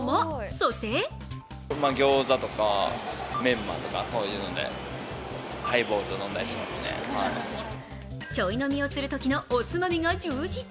そしてちょい飲みをするときのおつまみが充実。